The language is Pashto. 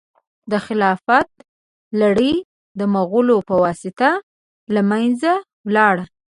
د خلافت لړۍ د مغولو په واسطه له منځه ولاړه.